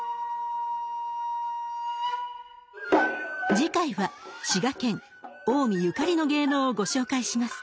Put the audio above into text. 次回は滋賀県・近江ゆかりの芸能をご紹介します。